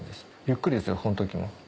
ゆっくりですよその時も。